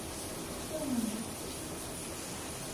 今日もいる